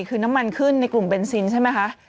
คือน้ำมันขึ้นในกลุ่มเบนซินใช่ไหมคะ